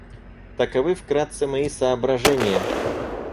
Таковы вкратце мои соображения.